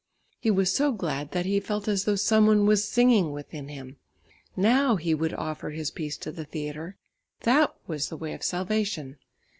He was so glad, that he felt as though some one was singing within him. Now he would offer his piece to the theatre; that was the way of salvation.